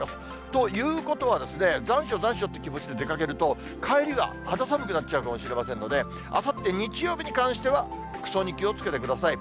ということはですね、残暑、残暑って気持ちで出かけると、帰りが肌寒くなっちゃうかもしれませんので、あさって日曜日に関しては、服装に気をつけてください。